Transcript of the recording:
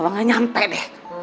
aku gak nyampe deh